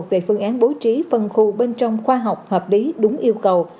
về phương án bố trí phân khu bên trong khoa học hợp lý đúng yêu cầu